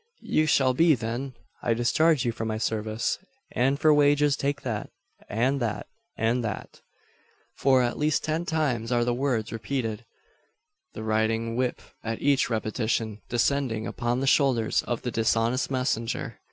"You shall be, then! I discharge you from my service; and for wages take that, and that, and that " For at least ten times are the words repeated the riding whip at each repetition descending upon the shoulders of the dishonest messenger.